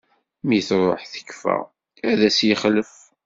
Mi truḥ tekfa, ad as-yexlef.